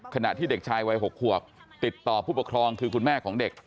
ขณะที่เด็กชายวัย๖ขวบติดต่อผู้ปกครองคือคุณแม่ของเด็ก